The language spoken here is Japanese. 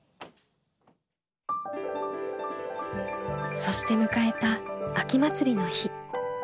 そして迎えた秋祭りの日。